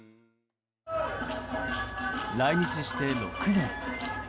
来日して６年。